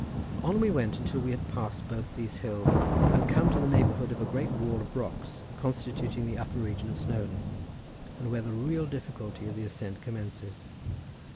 On we went until we had passed both these hills, and come to the neighbourhood of a great wall of rocks constituting the upper region of Snowdon, and where the real difficulty of the ascent commences.